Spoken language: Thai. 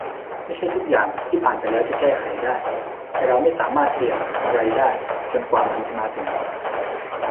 ไม่ใช่ทุกอย่างที่ผ่านไปแล้วจะแก้ไขได้ แต่เราไม่สามารถเปลี่ยนอะไรได้จนกว่ามันจะมาถึง